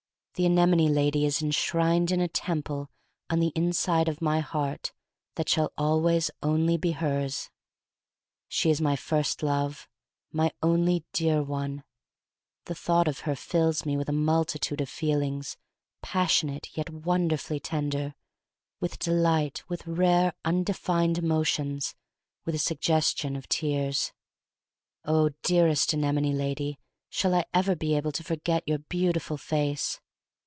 The anemone lady is enshrined in a temple on the inside of my heart that shall always only be hers. She is my first love — my only dear one. The thought of her fills me with a multitude of feelings, passionate yet wonderfully tender, — with delight, with rare, undefined emotions, with a sug gestion of tears. Oh, dearest anemone lady, shall I ever be able to forget your beautiful face!